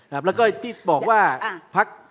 แล้วก็ที่บอกว่าพัก